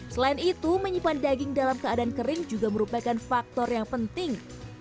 selain itu menyimpan daging dalam keadaan kering juga merupakan faktor yang penting